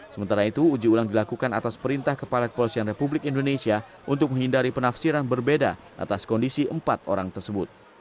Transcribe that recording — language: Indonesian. sementara itu uji ulang dilakukan atas perintah kepala kepolisian republik indonesia untuk menghindari penafsiran berbeda atas kondisi empat orang tersebut